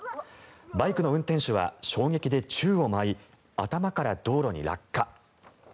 バイクの運転手は衝撃で宙を舞い頭から道路に落下。